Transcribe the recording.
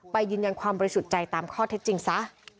ยืนยันความบริสุทธิ์ใจตามข้อเท็จจริงซะ